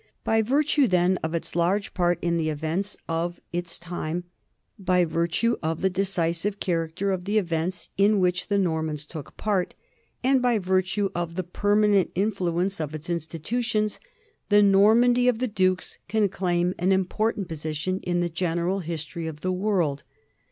By virtue, then, of its large part in the events of it^ time, by virtue of the decisive character of the events in which the Normans took part, and by virtue of the permanent influence of its institutions, the Normandy of the dukes can claim an important position in the general history of the world.